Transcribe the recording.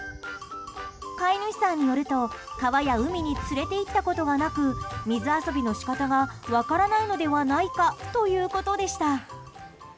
飼い主さんによると川や海に連れて行ったことがなく水遊びの仕方が分からないのではないかということでした。